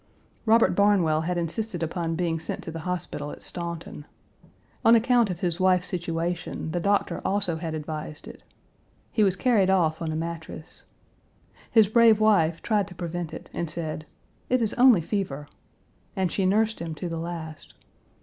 Robert Barnwell had insisted upon being sent to the hospital at Staunton. On account of his wife's situation the doctor also had advised it. He was carried off on a mattress. His brave wife tried to prevent it, and said: "It is only fever." And she nursed him to the last.